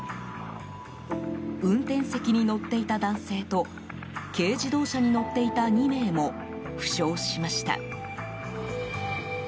運転席に乗っていた男性と軽自動車に乗っていた２名も負傷しました。